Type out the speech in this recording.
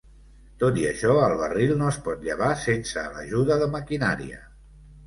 Tot i això, el barril no es pot llevar sense l'ajuda de maquinària.